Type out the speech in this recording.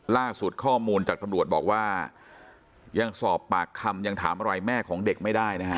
ล่าสุดข้อมูลจากตำรวจบอกว่ายังสอบปากคำยังถามอะไรแม่ของเด็กไม่ได้นะฮะ